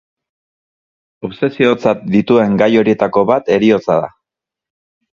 Obsesiotzat dituen gai horietako bat heriotza da.